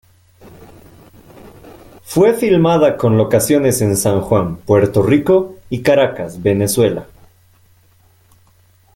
Fue filmada con locaciones en San Juan, Puerto Rico y Caracas, Venezuela.